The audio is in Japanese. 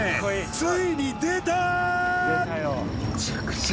ついに出た！